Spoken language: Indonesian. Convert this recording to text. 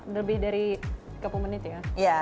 lebih dari tiga puluh menit ya